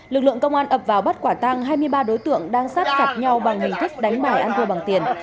lực lượng công an ập vào bắt quả tăng hai mươi ba đối tượng đang sát sạch nhau bằng hình thức đánh bài ăn thua bằng tiền